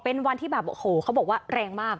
เป็นวันที่แบบโอ้โหเขาบอกว่าแรงมาก